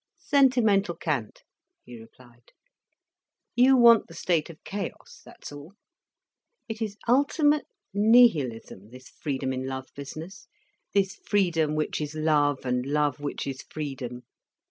"Sentimental cant," he replied. "You want the state of chaos, that's all. It is ultimate nihilism, this freedom in love business, this freedom which is love and love which is freedom.